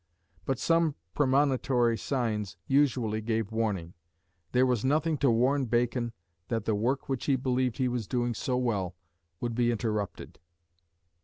But some premonitory signs usually gave warning. There was nothing to warn Bacon that the work which he believed he was doing so well would be interrupted.